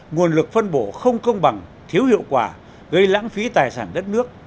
nguồn lực phân bổ không công bằng thiếu hiệu quả gây lãng phí tài sản đất nước